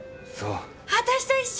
私と一緒！